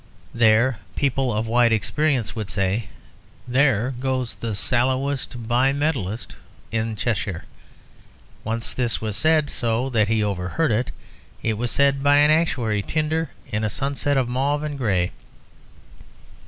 'There,' people of wide experience would say, 'There goes the sallowest bimetallist in Cheshire.' Once this was said so that he overheard it: it was said by an actuary, under a sunset of mauve and grey.